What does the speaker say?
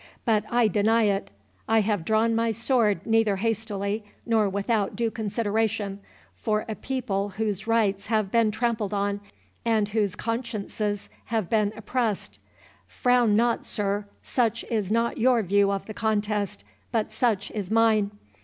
But I deny it; I have drawn my sword neither hastily, nor without due consideration, for a people whose rights have been trampled on, and whose consciences have been oppressed—Frown not, sir—such is not your view of the contest, but such is mine.